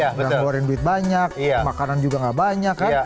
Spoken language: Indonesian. udah ngeluarin duit banyak makanan juga gak banyak kan